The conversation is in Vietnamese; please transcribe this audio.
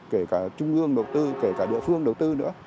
kể cả trung ương đầu tư kể cả địa phương đầu tư nữa